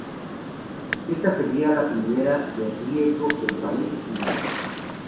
Esta sería la prima de riesgo del país "I".